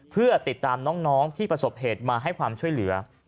เพื่อติดตามน้องที่ประสบเหตุมาให้ความช่วยเหลือ